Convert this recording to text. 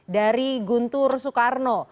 dari guntur soekarno